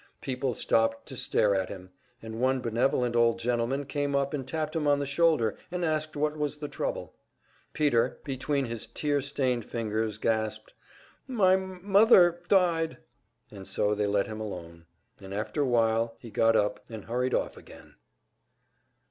People stopped to stare at him, and one benevolent old gentleman came up and tapped him on the shoulder and asked what was the trouble. Peter, between his tear stained fingers, gasped: "My m m mother died!" And so they let him alone, and after a while he got up and hurried off again.